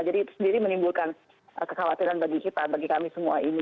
jadi itu sendiri menimbulkan keskhawatiran bagi kita bagi kami semua ini